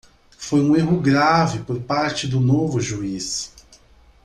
Foi um erro grave por parte do novo juiz.